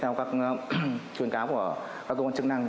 theo các khuyến cáo của các công an chức năng